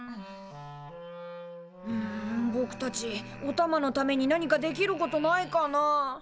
んぼくたちおたまのためになにかできることないかなあ？